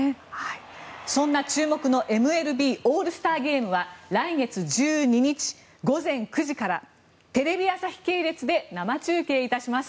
そんな注目のＭＬＢオールスターゲームは来月１２日午前９時からテレビ朝日系列で生中継いたします。